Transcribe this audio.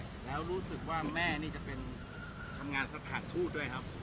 แล้วรู้สึกว่าแม่นี่จะเป็นทำงานสถานทูตด้วยครับ